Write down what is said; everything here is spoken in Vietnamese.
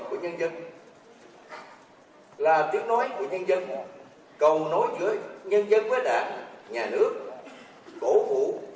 của nhân dân là tiếng nói của nhân dân cầu nối giữa nhân dân với đảng nhà nước cổ vũ